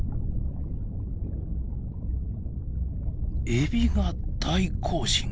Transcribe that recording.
エビが大行進！